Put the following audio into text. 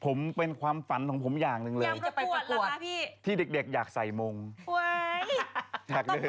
ผมเป็นความฝันของผมอย่างนึงเลยที่เด็กอยากใส่มงค์ยังจะไปประกวดล่ะค่ะพี่